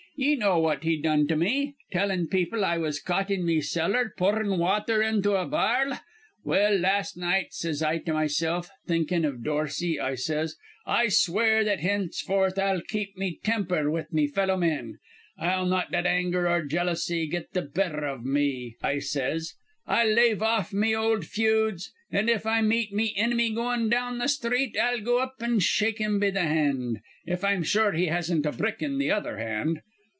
Ye know what he done to me, tellin' people I was caught in me cellar poorin' wather into a bar'l? Well, last night says I to mesilf, thinkin' iv Dorsey, I says: 'I swear that henceforth I'll keep me temper with me fellow men. I'll not let anger or jealousy get th' betther iv me,' I says. 'I'll lave off all me old feuds; an' if I meet me inimy goin' down th' sthreet, I'll go up an' shake him be th' hand, if I'm sure he hasn't a brick in th' other hand.'